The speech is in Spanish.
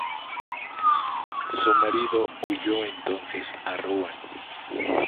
Su marido huyó entonces a Ruan.